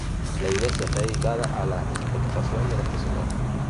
La iglesia está dedicada a La Expectación de Nuestra Señora.